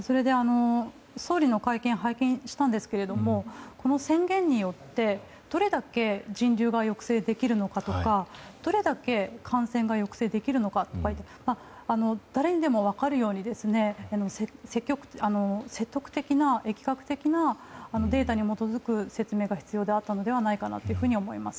総理の会見を拝見したんですけれどもこの宣言によってどれだけ人流が抑制できるのかとかどれだけ感染が抑制できるかとか誰にでも分かるように積極的な疫学的なデータに基づく説明が必要だったのではないかと思います。